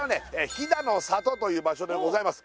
飛騨の里という場所でございます